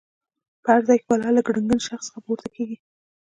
په هر ځای کې بلا له ګړنګن شخص څخه پورته کېږي.